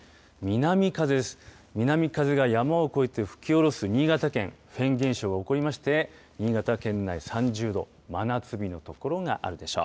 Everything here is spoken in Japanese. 南風が山を越えて吹き下ろす新潟県、フェーン現象が起こりまして、新潟県内３０度、真夏日の所があるでしょう。